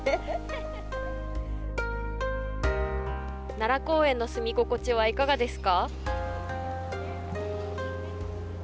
奈良公園の住み心地はいかがですか？